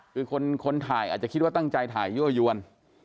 คือคนถ่ายอาจจะคิดว่าตั้งใจถ่ายยั่วยวน